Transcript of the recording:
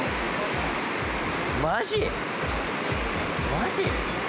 マジ？